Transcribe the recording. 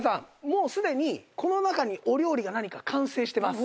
もうすでにこの中にお料理が何か完成してます。